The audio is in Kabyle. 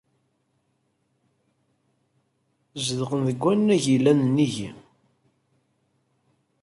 Zedɣen deg wannag yellan nnig-i.